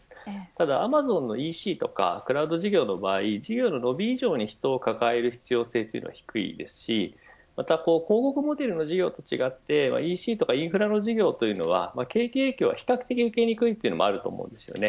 ただアマゾンのＥＣとかクラウド事業の場合事業の伸び以上に人を抱える必要性は低いですしまた広告モデルの事業と違ってＥＣやインフラ事業は景気影響は比較的受けにくいこともあると思います。